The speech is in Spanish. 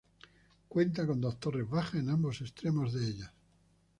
Cuenta con dos torres bajas en ambos extremos de ellas.